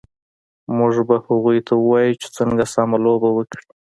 موږ به هغوی ته ووایو چې څنګه سم لوبه وکړي